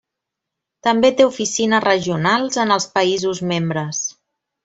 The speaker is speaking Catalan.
També té oficines regionals en els països membres.